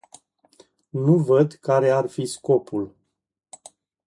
Nu văd care ar fi scopul.